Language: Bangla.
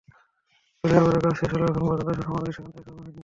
ফ্লাইওভারের কাজ শেষ হলেও এখন পর্যন্ত এসব সামগ্রী সেখান থেকে সরানো হয়নি।